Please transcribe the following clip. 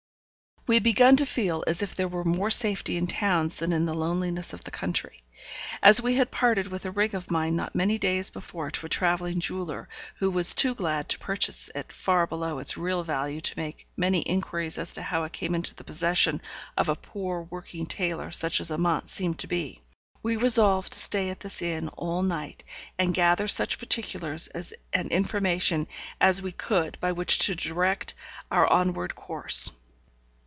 We had begun to feel as if there were more safety in towns than in the loneliness of the country. As we had parted with a ring of mine not many days before to a travelling jeweller, who was too glad to purchase it far below its real value to make many inquiries as to how it came into the possession of a poor working tailor, such as Amante seemed to be, we resolved to stay at this inn all night, and gather such particulars and information as we could by which to direct our onward course.